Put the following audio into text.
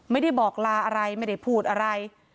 ไม่ได้บอกลาอะไรไม่ได้พูดอะไร